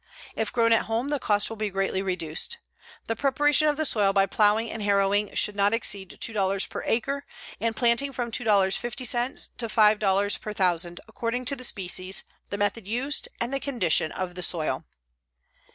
If grown at home the cost will be greatly reduced. The preparation of the soil by plowing and harrowing should not exceed $2 per acre, and planting from $2.50 to $5 per thousand, according to the species, the method used and the condition of the soil.